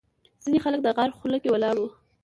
ځینې خلک د غار خوله کې ولاړ وو.